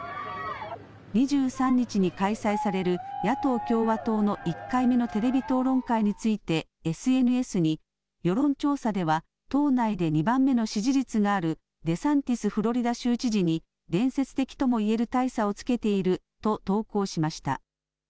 ２３日に開催される野党・共和党の１回目のテレビ討論会についてＳＮＳに世論調査では党内で２番目の支持率があるデサンティス・フロリダ州知事に伝説的とも言える大差をつけていると投稿しました。